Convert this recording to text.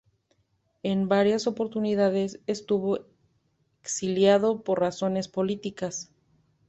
En varias oportunidades estuvo exiliado por razones políticas.